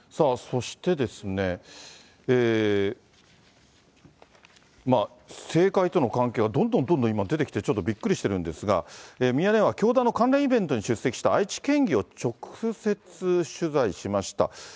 そしてですね、政界との関係がどんどんどんどん今出てきて、ちょっとびっくりしてるんですが、ミヤネ屋は教団の関連イベントに出席した愛知県議を直接取材しました。